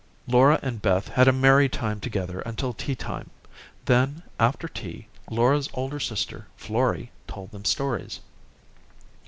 Laura and Beth had a merry time together until tea time. Then, after tea, Laura's older sister, Florrie, told them stories.